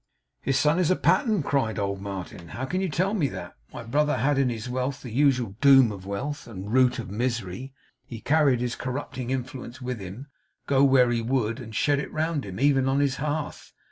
'His son a pattern!' cried old Martin. 'How can you tell me that? My brother had in his wealth the usual doom of wealth, and root of misery. He carried his corrupting influence with him, go where he would; and shed it round him, even on his hearth.